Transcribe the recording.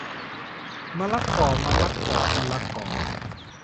มะละกอมะละกอมะละกอ